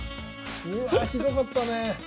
うわあひどかったねえ。